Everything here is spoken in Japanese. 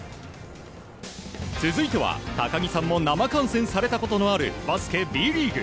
続いては、高木さんも生観戦されたことのあるバスケ、Ｂリーグ。